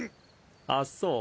あっそう？